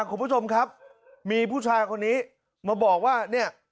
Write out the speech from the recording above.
คุณผู้ชมครับมีผู้ชายคนนี้มาบอกว่าเนี่ย